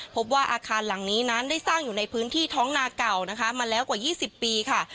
พบว่าอาคารหลังนี้นั้นได้สร้างอยู่ในพื้นที่ท้องนาเก่านะคะมาแล้วกว่า๒๐ปีค่ะ